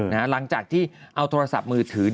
หลังจากที่เอาโทรศัพท์มือถือ